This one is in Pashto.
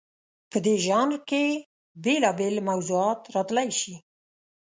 په دې ژانر کې بېلابېل موضوعات راتلی شي.